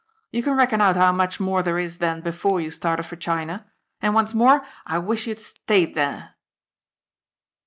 You can reckon out how much more there is than before you started for China. And, once more, I wish you had stayed there."